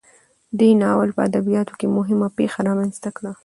دې ناول په ادبیاتو کې مهمه پیښه رامنځته کړه.